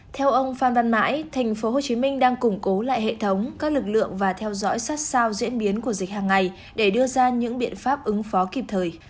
theo ông phan văn mãi tp hcm đang củng cố lại hệ thống các lực lượng và theo dõi sát sao diễn biến của dịch hàng ngày để đưa ra những biện pháp ứng phó kịp thời